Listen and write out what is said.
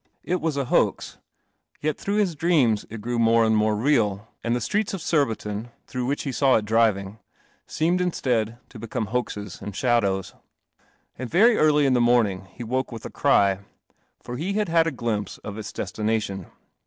It wa a h I I gh his dream 59 THE CELESTIAL OMNIBUS it grew more and more real, and the streets of Surbiton, through which he saw it driving, seemed instead to become hoaxes and shadows. And very early in the morning he woke with a cry, for he had had a glimpse of its destination.